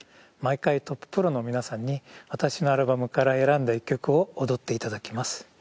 毎回トッププロの皆さんに私のアルバムから選んだ１曲を踊っていただきます。